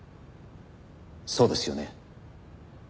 そうですよね？